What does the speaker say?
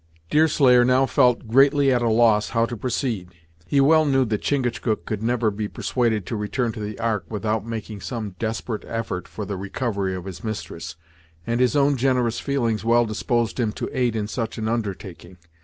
Deerslayer now felt greatly at a loss how to proceed. He well knew that Chingachgook could never be persuaded to return to the ark without making some desperate effort for the recovery of his mistress, and his own generous feelings well disposed him to aid in such an undertaking.